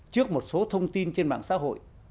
trước một số thông tin trên mạng xã hội